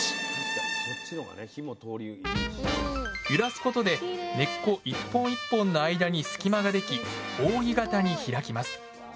揺らすことで根っこ１本１本の間に隙間ができ扇形に開きます。